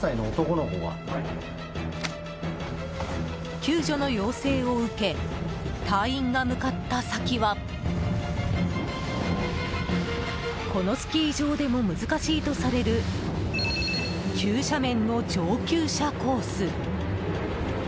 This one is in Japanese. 救助の要請を受け隊員が向かった先はこのスキー場でも難しいとされる急斜面の上級者コース。